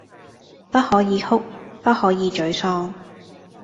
不可以哭，不可以沮喪